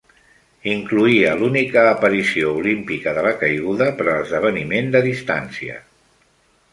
Incloïa l'única aparició olímpica de la caiguda per a l'esdeveniment de distància.